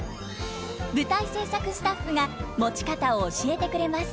舞台制作スタッフが持ち方を教えてくれます。